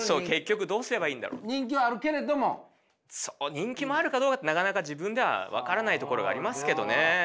人気もあるかどうかなかなか自分では分からないところがありますけどね。